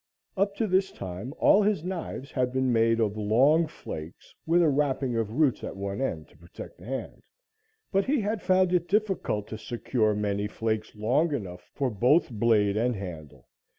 Up to this time, all his knives had been made of long flakes with a wrapping of roots at one end to protect the hand, but he had found it difficult to secure many flakes long enough for both blade and handle.